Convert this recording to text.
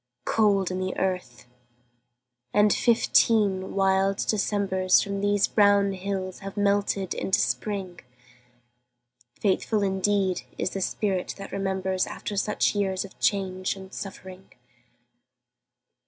Cold in the earth, and fifteen wild Decembers From these brown hills have melted into Spring. Faithful indeed is the spirit that remembers After such years of change and suffering!